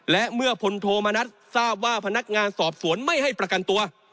และเมื่อพลโทมณัฐทราบว่าพนักงานสอบสวนไม่ให้ประกันตัว